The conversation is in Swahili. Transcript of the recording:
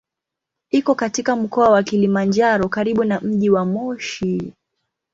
Iko katika Mkoa wa Kilimanjaro karibu na mji wa Moshi.